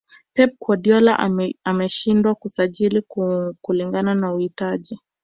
pep guardiola ameshindwa kusajili kulingana na uhitaji